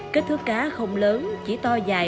kết thước cá không lớn chỉ to dài bằng ngón tay út